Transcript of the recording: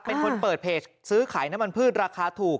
เป็นคนเปิดเพจซื้อขายน้ำมันพืชราคาถูก